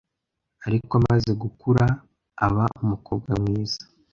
ariko amaze gukura aba umukobwa mwiza.